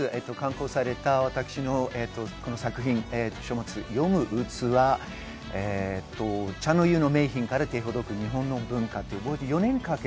今月、刊行された私の作品、書物『よむうつわ下：茶の湯の名品から手ほどく日本の文化』というものです。